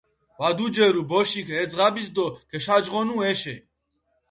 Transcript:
ვადუჯერუ ბოშიქ ე ძღაბის დო გეშაჯღონუ ეშე.